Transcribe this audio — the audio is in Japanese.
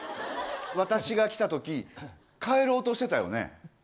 私が来たとき帰ろうとしてたよね？